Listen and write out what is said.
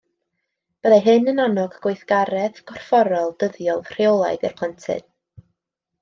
Byddai hyn yn annog gweithgaredd corfforol dyddiol rheolaidd i'r plentyn